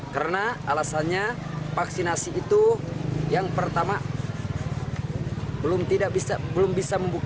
karena alasannya vaksinasi itu yang pertama belum bisa membuka